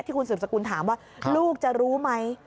คุณสืบสกุลถามว่าลูกจะรู้ไหม